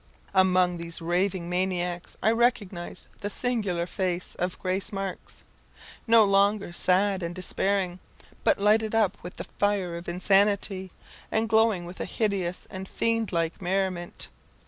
Among these raving maniacs I recognised the singular face of Grace Marks no longer sad and despairing, but lighted up with the fire of insanity, and glowing with a hideous and fiend like merriment.